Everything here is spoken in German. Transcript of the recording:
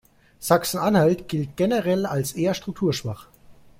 Sachsen-Anhalt gilt generell als eher strukturschwach.